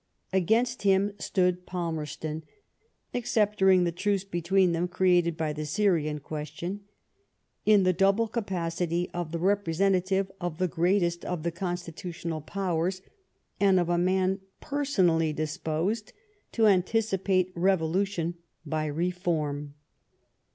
Against bim stood Palmerston — except daring the truce between them created by the Syrian question — ^in the double capacity of the representative of the greatest of the constitutional Powers and of a man per sonally disposed to anticipate revolution by reform.